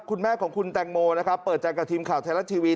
คุณแม่ของคุณแตงโมเปิดแจกกับทีมข่าวไทยลักษณ์ทีวี